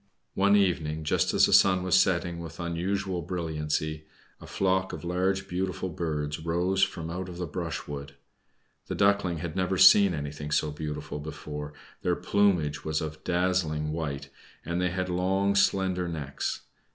One evening, just as the sun was setting with unusual brilliancy, a flock of large, beautiful birds rose from out of the brushwood. The Duckling had never seen anything so beautiful before; their plumage was of a dazzling white, and they had long, slender necks.